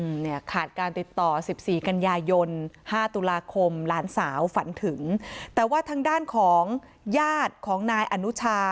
อืมเนี่ยขาดการติดต่อ๑๔กัญญายยนท์๕ตุาระคมล้านสาวฝันถึงแต่ว่าทางด้านของญาติของนายอนุชา